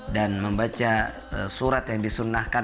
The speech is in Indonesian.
dan membaca surat yang disunnahkan